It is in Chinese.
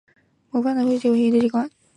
模范邨其后由香港房屋委员会接管。